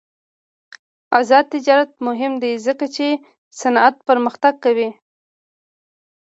آزاد تجارت مهم دی ځکه چې صنعت پرمختګ کوي.